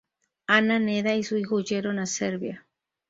Ana Neda y su hijo huyeron a Serbia.